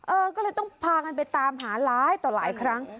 เออก็เลยต้องพากันไปตามหาร้ายต่อหลายครั้ง